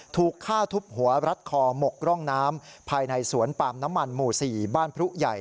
ถูกฆ่าทุบหัวรัดคอหมกร่องน้ำภายในสวนปาล์มน้ำมันหมู่๔บ้านพรุใหญ่